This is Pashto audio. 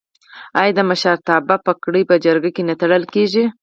آیا د مشرتابه پګړۍ په جرګه کې نه تړل کیږي؟